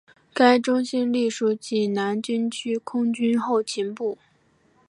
该中心隶属济南军区空军后勤部。